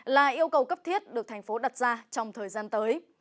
là yêu cầu cấp thiết được thành phố đặt ra trong thời gian tới